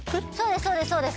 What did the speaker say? そうですそうです。